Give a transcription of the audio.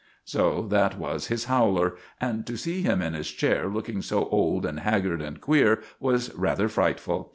So that was his howler, and to see him in his chair looking so old and haggard and queer was rather frightful.